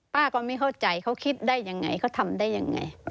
ป้าก็ไม่เข้าใจเขาคิดได้ยังไงเขาทำได้ยังไง